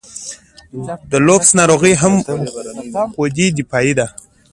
د لوپس ناروغي هم خودي دفاعي ده.